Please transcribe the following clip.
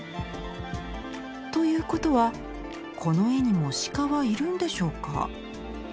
ということはこの絵にも鹿はいるんでしょうか？